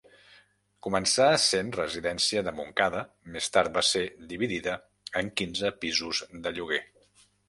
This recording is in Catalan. Començà essent residència dels Montcada, més tard va ser dividida en quinze pisos de lloguer.